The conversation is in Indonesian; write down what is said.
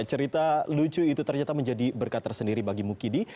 cerita lucu itu ternyata menjadi berkat tersendiri bagi mukidi